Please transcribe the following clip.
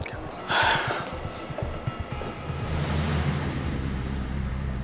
tunggu tunggu tunggu